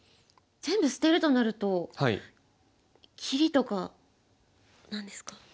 全部捨てるとなると切りとかなんですか？